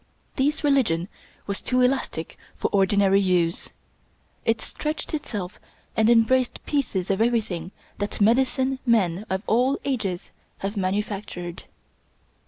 This religion was too elastic for ordinary use. It stretched itself and embraced pieces of everything that medicine men of all ages have manufactured.